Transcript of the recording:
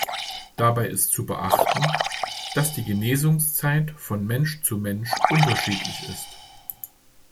Dabei ist zu beachten, dass die Genesungszeit von Mensch zu Mensch unterschiedlich ist.